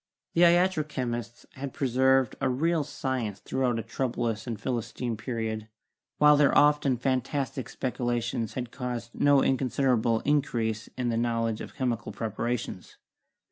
The iatro chemists had preserved a real science throughout a troublous and Philistine pe riod, while their often fantastic speculations had caused no inconsiderable increase in the knowledge of chemical preparations.